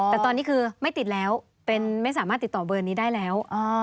แต่ตอนนี้คือไม่ติดแล้วไม่สามารถติดต่อเบอร์นี้ได้แล้ว